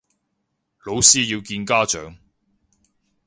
老師要見家長